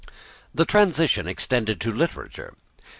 The transition extended to literature.